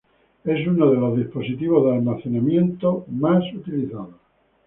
Es uno de los dispositivos de almacenamiento más utilizados.